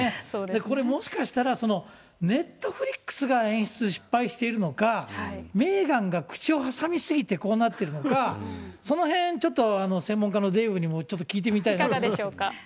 これもしかしたら、ネットフリックスが演出失敗しているのか、メーガンが口を挟み過ぎてこうなってるのか、そのへん、ちょっと、専門家のデーブにもちょっと聞いてみたいなと。